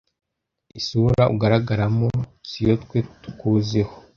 isura ugaragaramo siyotwe tukuziho,